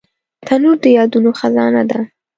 تنور د یادونو خزانه ده